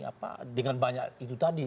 apa dengan banyak itu tadi